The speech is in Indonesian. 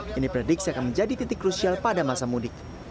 yang diprediksi akan menjadi titik krusial pada masa mudik